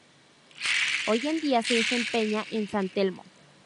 Hoy en día se desempeña en San Telmo.